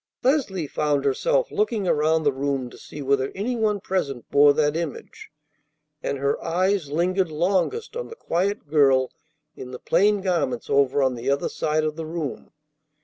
Leslie found herself looking around the room to see whether any one present bore that image, and her eyes lingered longest on the quiet girl in the plain garments over on the other side of the room.